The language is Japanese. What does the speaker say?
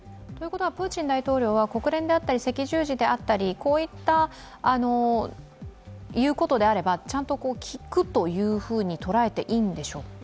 プーチン大統領は国連であったり赤十字であったりこういったいうことであればちゃんと聞くと捉えていいでしょうか。